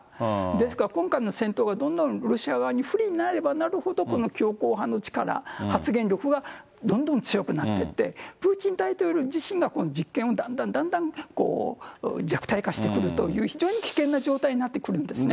ですから、今回の戦闘がどんどんロシア側に不利になればなるほど、この強硬派の力、発言力がどんどん強くなっていって、プーチン大統領自身が今度実権をだんだんだんだん弱体化してくるという、非常に危険な状態になってくるんですね。